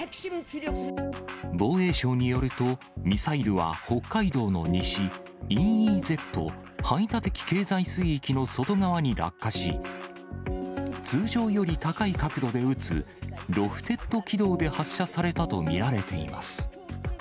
防衛省によると、ミサイルは北海道の西、ＥＥＺ・排他的経済水域の外側に落下し、通常より高い角度で撃つロフテッド軌道で発射されたと見られています。